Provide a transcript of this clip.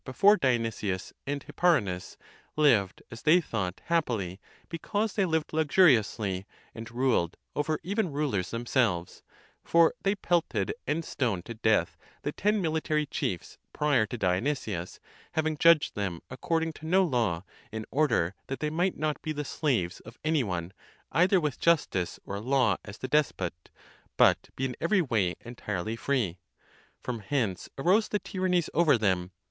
before Dionysius and Hipparinus, lived as they thought happily, because they lived luxuriously, and ruled over even rulers themselves; for they pelted and stoned to death® the ten military chiefs prior to Dionysius, having judged them according to no law, in order that they might not be the slaves of any one either with justice or law as the despot, but be in every way entirely free. From hence arose the tyrannies over them.